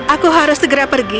aku harus segera pergi